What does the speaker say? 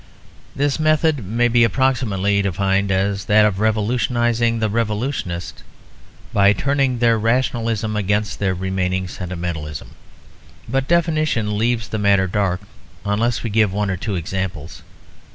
This method may be approximately defined as that of revolutionising the revolutionists by turning their rationalism against their remaining sentimentalism. But definition leaves the matter dark unless we give one or two examples.